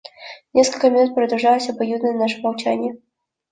Несколько минут продолжалось обоюдное наше молчание.